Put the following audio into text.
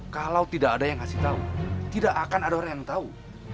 kalau tidak ada yang ngasih tahu tidak akan ada orang yang tahu